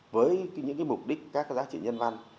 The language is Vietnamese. với những cái mục đích các cái giá trị nhân văn